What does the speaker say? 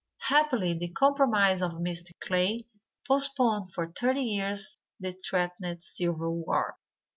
Happily the compromise of Mr. Clay postponed for thirty years the threatened civil war.